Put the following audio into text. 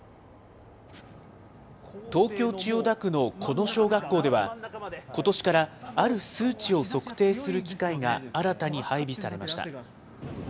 東京・千代田区のこの小学校では、ことしからある数値を測定する機械が新たに配備されました。